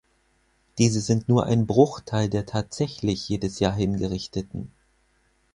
Diese sind nur ein Bruchteil der tatsächlich jedes Jahr Hingerichteten.